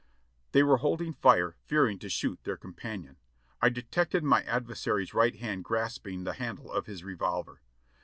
They were holding fire, fearing to shoot their companion. 1 detected my adversary's right hand grasp ing the handle of his revolver.